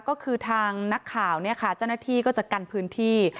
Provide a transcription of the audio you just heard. ก็คือทางนักข่าวเนี่ยค่ะเจ้าหน้าที่ก็จะกันพื้นที่